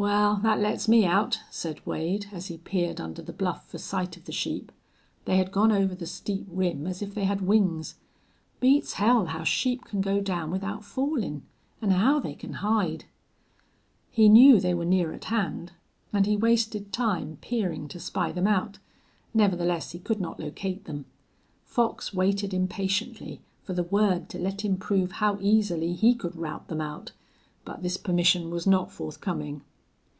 "Well, that lets me out," said Wade, as he peered under the bluff for sight of the sheep. They had gone over the steep rim as if they had wings. "Beats hell how sheep can go down without fallin'! An' how they can hide!" He knew they were near at hand and he wasted time peering to spy them out. Nevertheless, he could not locate them. Fox waited impatiently for the word to let him prove how easily he could rout them out, but this permission was not forthcoming.